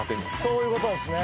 そういうことですね。